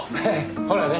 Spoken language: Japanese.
ほらね。